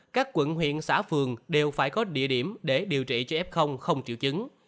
các quận huyện xã phường đều phải có địa điểm để điều trị cho f không triệu chứng